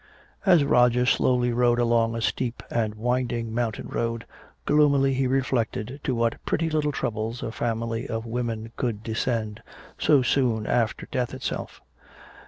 '" As Roger slowly rode along a steep and winding mountain road, gloomily he reflected to what petty little troubles a family of women could descend, so soon after death itself.